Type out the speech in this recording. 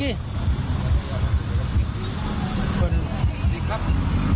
คุณดิ๊ครับ